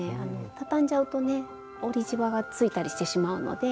畳んじゃうとね折りじわがついたりしてしまうので。